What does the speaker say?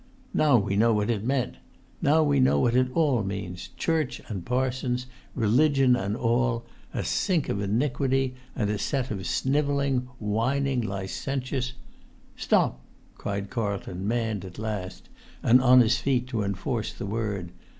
Now we know what it meant; now we know what it all means, church and parsons, religion and all; a sink of iniquity and a set of snivelling, whining, licentious——" "Stop!" cried Carlton, manned at last, and on his feet to enforce the word.